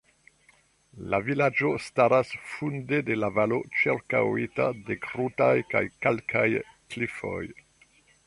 La vilaĝo staras funde de la valo ĉirkaŭita de krutaj kaj kalkaj klifoj.